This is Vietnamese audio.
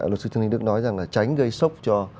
luật sư trương đình đức nói rằng là tránh gây sốc cho